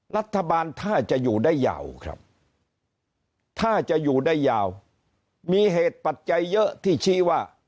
รัฐบาลถ้าจะอยู่ได้ยาวครับถ้าจะอยู่ได้ยาวมีเหตุปัจจัยเยอะที่ชี้ว่า